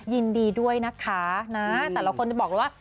ยินดีด้วยนะคะนะแต่ละคนจะบอกเลยว่า